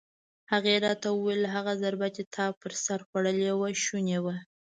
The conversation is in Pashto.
هغې راته وویل: هغه ضربه چې تا پر سر خوړلې وه شونې وه.